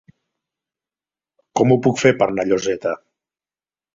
Com ho puc fer per anar a Lloseta?